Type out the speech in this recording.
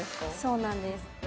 そうなんです